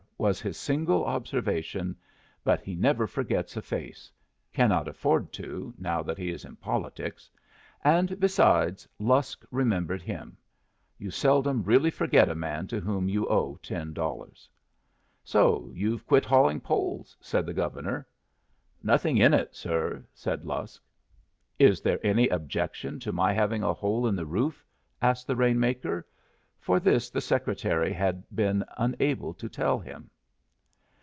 was his single observation; but he never forgets a face cannot afford to, now that he is in politics; and, besides, Lusk remembered him. You seldom really forget a man to whom you owe ten dollars. "So you've quit hauling poles?" said the Governor. "Nothing in it, sir," said Lusk. "Is there any objection to my having a hole in the roof?" asked the rain maker; for this the secretary had been unable to tell him.